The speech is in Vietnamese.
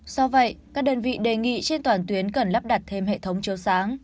do vậy các đơn vị đề nghị trên toàn tuyến cần lắp đặt thêm hệ thống chiếu sáng